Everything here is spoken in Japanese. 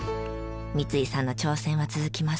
三井さんの挑戦は続きます。